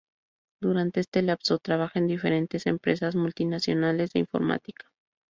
Durante este lapso trabaja en diferentes empresas multinacionales de informática.